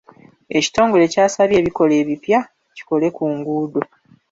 Ekitongole kyasabye ebikola epibya kikole ku nguudo.